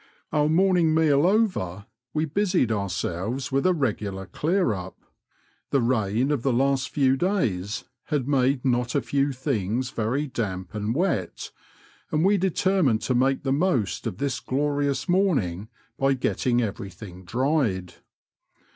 Our morning meal over, we busied ourselves with ar regular clear up. The rain of the last few days had made not a few things very damp and wet, and we determined to make the most of this glorious morning by getting everything dried.